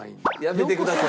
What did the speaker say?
やめてください。